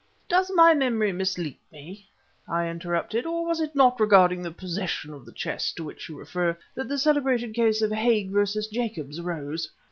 "Does my memory mislead me," I interrupted, "or was it not regarding the possession of the chest to which you refer, that the celebrated case of 'Hague versus Jacobs' arose?"